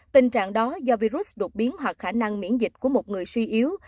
tình trạng đó do virus đột biến hoặc khả năng miễn dịch của một người suy yếu